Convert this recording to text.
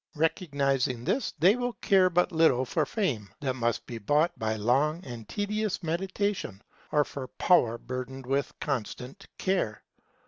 Recognizing this, they will care but little for fame that must be bought by long and tedious meditation, or for power burdened with constant care.